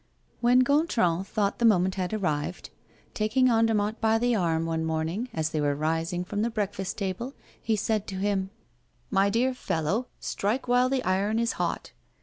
When Gontran thought the moment had arrived, taking Andermatt by the arm, one morning, as they were rising from the breakfast table, he said to him: "My dear fellow, strike while the iron is hot!